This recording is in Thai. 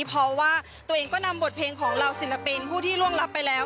เพราะว่าตัวเองก็นำบทเพลงของเหล่าศิลปินผู้ที่ล่วงรับไปแล้ว